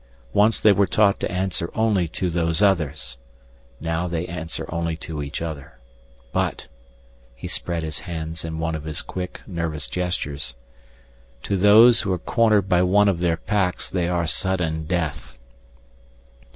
Once they were taught to answer only to Those Others. Now they answer only to each other. But" he spread out his hands in one of his quick, nervous gestures "to those who are cornered by one of their packs, they are sudden death!"